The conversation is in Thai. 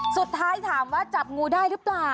สุดท้ายถามว่าจับงูได้หรือเปล่า